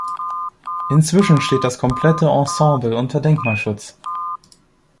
Inzwischen steht das komplette Ensemble unter Denkmalschutz.